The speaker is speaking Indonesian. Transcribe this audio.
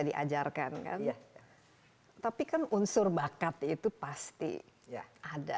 diajarkan kan tapi kan unsur bakat itu pasti ya ada